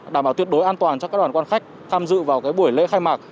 đảm bảo tuyệt đối an toàn cho các đoàn quan khách tham dự vào buổi lễ khai mạc